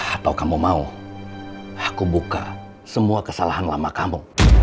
atau kamu mau aku buka semua kesalahan lama kamu